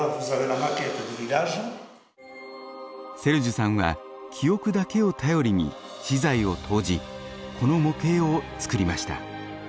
セルジュさんは記憶だけを頼りに私財を投じこの模型を作りました。